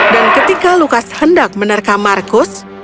dan ketika lukas hendak menerka markus